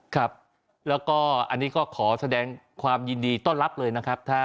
ครับแล้วก็อันนี้ก็ขอแสดงความยินดีต้อนรับเลยนะครับ